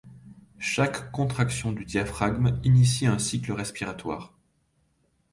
Chaque contraction du diaphragme initie un cycle respiratoire.